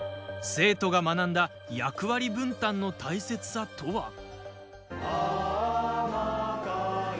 生徒が学んだ役割分担の大切さとは？